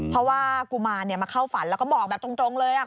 เพราะว่ากุมารมาเข้าฝันแล้วก็บอกแบบตรงเลย